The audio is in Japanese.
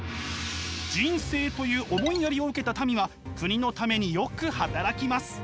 仁政という思いやりを受けた民は国のためによく働きます。